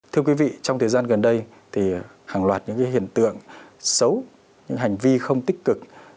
thưa quý vị trong thời gian gần đây thì hàng loạt những hiện tượng xấu những hành vi không tích cực